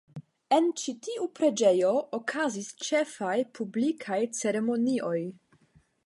En ĉi tiu preĝejo okazis ĉefaj publikaj ceremonioj.